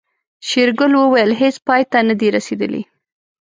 شېرګل وويل هيڅ پای ته نه دي رسېدلي.